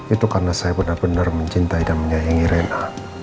itu karena saya benar benar mencintai dan menyayangi reina